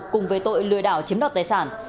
cùng với tội lừa đảo chiếm đoạt tài sản